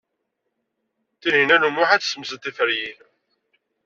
Tinhinan u Muḥ ad tessemsed tiferyin.